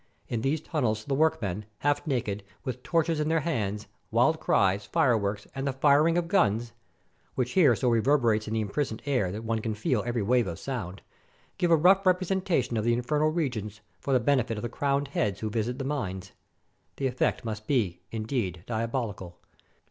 In these tunnels the workmen, half naked, with torches in their hands, wild cries, fireworks, and the firing of guns (which here so reverberates in the imprisoned air that one can feel every wave of sound), give a rough representation of the infernal regions, for the benefit of the crowned heads who visit the mines. The effect must be, indeed, diabolical.